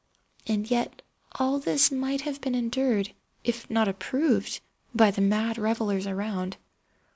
And yet all this might have been endured, if not approved, by the mad revellers around.